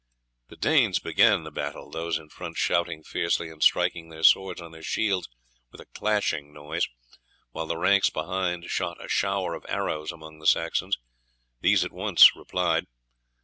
The Danes began the battle, those in front shouting fiercely, and striking their swords on their shields with a clashing noise, while the ranks behind shot a shower of arrows among the Saxons. These at once replied.